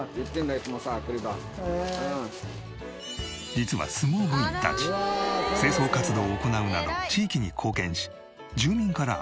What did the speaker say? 実は相撲部員たち清掃活動を行うなど地域に貢献し住民から愛される存在。